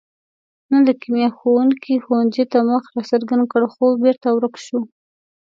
نن د کیمیا ښوونګي ښوونځي ته مخ را څرګند کړ، خو بېرته ورک شو.